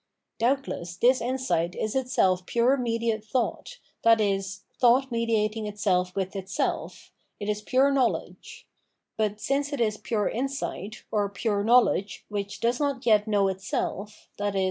Doubtless this insight is itself pure mediate thought, i.e. thought mediating itself with itself, it is pure know ledge; but since it is pure insight, or pure knowledge, which does not yet know itself, i.e.